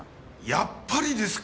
やっぱりですか！